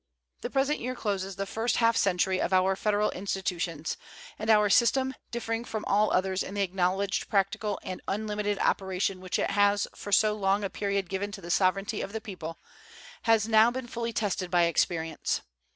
The present year closes the first half century of our Federal institutions, and our system, differing from all others in the acknowledged practical and unlimited operation which it has for so long a period given to the sovereignty of the people, has now been fully tested by experience.